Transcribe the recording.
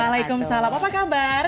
waalaikumsalam apa kabar